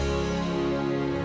mau pulang gak sih